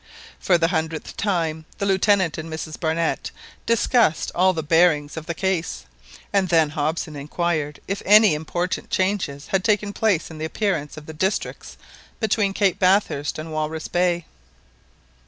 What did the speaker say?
For the hundredth time the Lieutenant and Mrs Barnett discussed all the bearings of the case, and then Hobson inquired if any important changes had taken place in the appearance of the districts between Cape Bathurst and Walruses' Bay?